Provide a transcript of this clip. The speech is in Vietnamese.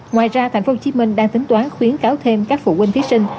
ngoài ra tp hồ chí minh đang tính toán khuyến cáo thêm các phụ huynh thí sinh